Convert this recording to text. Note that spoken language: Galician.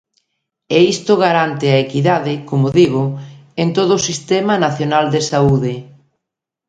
E isto garante a equidade –como digo– en todo o Sistema nacional de saúde.